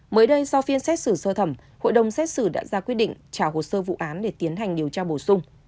mới đây sau phiên xét xử sơ thẩm hội đồng xét xử đã ra quyết định trả hồ sơ vụ án để tiến hành điều tra bổ sung